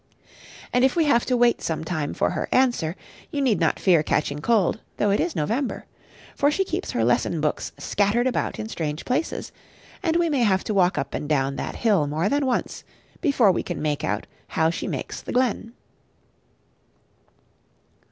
And if we have to wait some time for her answer, you need not fear catching cold, though it is November; for she keeps her lesson books scattered about in strange places, and we may have to walk up and down that hill more than once before we can make out how she makes the glen.